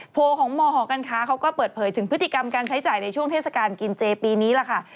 ของมหอการค้าเขาก็เปิดเผยถึงพฤติกรรมการใช้จ่ายในช่วงเทศกาลกินเจปีนี้ล่ะค่ะ